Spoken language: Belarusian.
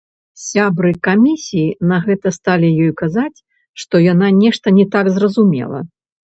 Сябры камісіі на гэта сталі ёй казаць, што яна нешта не так зразумела.